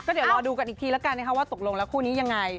เดี๋ยวรอดูกันอีกทีแล้วกันนะคะว่าตกลงแล้วคู่นี้ยังไง